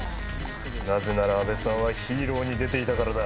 なぜなら阿部さんは『ＨＥＲＯ』に出ていたからだ。